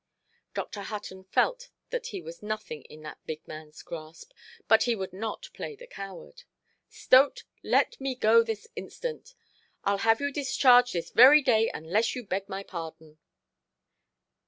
Dr. Hutton felt that he was nothing in that big manʼs grasp, but he would not play the coward. "Stote, let me go this instant. Iʼll have you discharged this very day unless you beg my pardon".